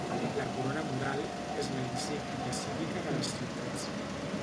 La corona mural és la insígnia cívica de les ciutats.